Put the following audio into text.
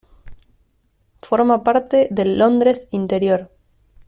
Forma parte del Londres interior.